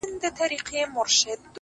هغه نن بيا د چا د ياد گاونډى،